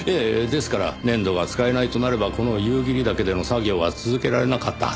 ですから粘土が使えないとなればこの夕霧岳での作業は続けられなかったはずです。